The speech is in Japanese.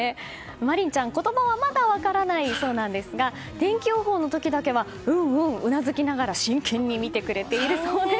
茉凛ちゃん、言葉はまだ分からないそうなんですが天気予報の時だけはうんうんとうなずきながら真剣に見てくれているそうです。